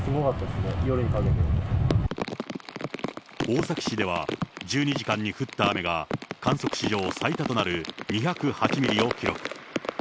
大崎市では、１２時間に降った雨が観測史上最多となる２０８ミリを記録。